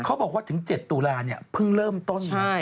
เขาบอกว่าถึง๗ตุลาเนี่ยเพิ่งเริ่มต้นมา